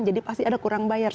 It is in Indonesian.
jadi pasti ada kurang bayar